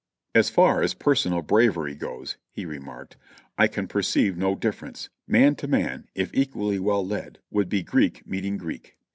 ''As far as personal bravery goes," he remarked, "I can per ceive no difference ; man to man, if equally well led, would be Greek meeting Greek.